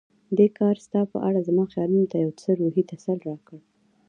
دې کار ستا په اړه زما خیالونو ته یو څه روحي تسل راکړ.